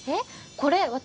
これ私。